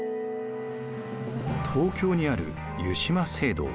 東京にある湯島聖堂。